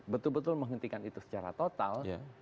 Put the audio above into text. betul betul menghentikan itu secara total